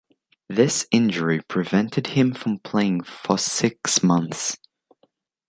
This injury prevented him from playing for six months.